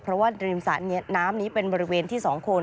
เพราะว่าริมน้ำนี้เป็นบริเวณที่๒คน